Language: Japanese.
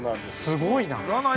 ◆すごいな。